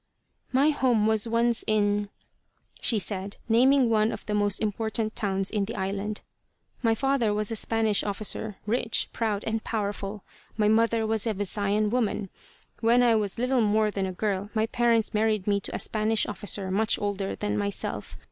"My home was once in ," she said, naming one of the most important towns in the island. "My father was a Spanish officer, rich, proud and powerful. My mother was a Visayan woman. When I was little more than a girl, my parents married me to a Spanish officer much older than myself.